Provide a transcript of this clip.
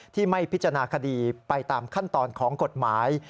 ที่ไม่พิจารณาคดีไปตามขั้นตอนของกฎหมาย